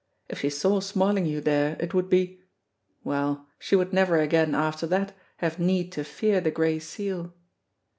If she saw Smarlinghue there it would be Well, she would never again after that have need to fear the Gray Seal